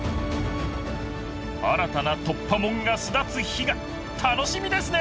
新たな「突破者」が巣立つ日が楽しみですね！